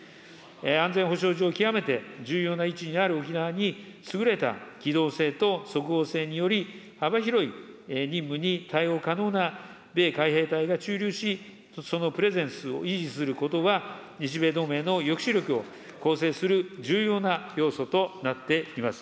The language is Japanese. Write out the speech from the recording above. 安全保障上、極めて重要な位置にある沖縄に、優れた機動性と即応性により、幅広い任務に対応可能な米海兵隊が駐留し、そのプレゼンスを維持することは、日米同盟の抑止力を構成する重要な要素となっています。